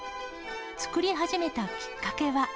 作り始めたきっかけは。